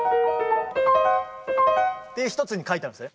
ていう１つに書いてあるんですね。